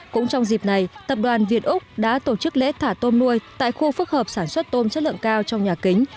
cũng trong dịp này tập đoàn việt úc đã tổ chức lễ thả tôm nuôi tại khu phức hợp sản xuất tôm chất lượng cao trong nhà kính